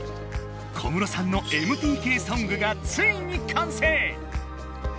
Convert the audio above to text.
小室さんのＭＴＫソングがついにかんせい！